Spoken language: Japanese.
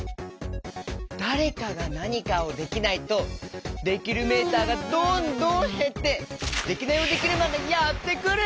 だれかがなにかをできないとできるメーターがどんどんへってデキナイヲデキルマンがやってくる！